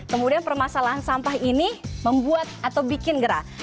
kemudian permasalahan sampah ini membuat atau bikin gerah